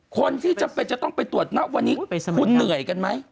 คนที่จะต้องไปตรวจนะวันนี้คุณเหนื่อยกันไหม